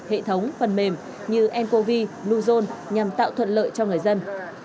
hệ thống phần mềm như encovi luzon nhằm tạo thuận lợi cho người dân